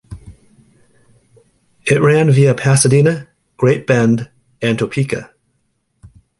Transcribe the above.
It ran via Pasadena, Great Bend and Topeka.